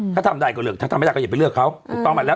ถ้าทำได้ก็เลือกถ้าทำไม่ได้ก็อย่าไปเลือกเขาถูกต้องไหมแล้ว